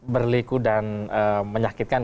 berliku dan menyakitkan